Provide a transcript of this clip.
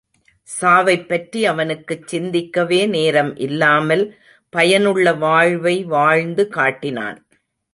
சாவைப்பற்றி அவனுக்குச் சிந்திக்கவே நேரம் இல்லாமல் பயனுள்ள வாழ்வை வாழ்ந்து காட்டினான்.